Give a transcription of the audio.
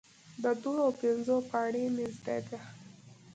د دوو او پنځو پاړۍ مې زده ده،